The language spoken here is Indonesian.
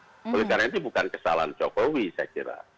oleh karena itu bukan kesalahan jokowi saya kira